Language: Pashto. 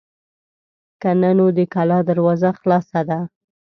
که نه نو د کلا دروازه خلاصه ده.